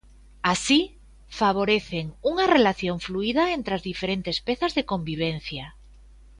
Así, favorecen unha relación fluída entre as diferentes pezas de convivencia.